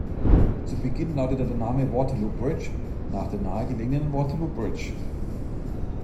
Zu Beginn lautete der Name "Waterloo Bridge", nach der nahe gelegenen Waterloo Bridge.